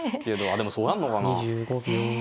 ああでもそうやんのかな。